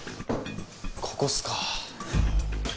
ここっすか。